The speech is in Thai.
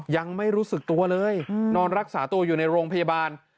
ยังไม่รู้สึกตัวเลยนอนรักษาตัวอยู่ในโรงพยาบาล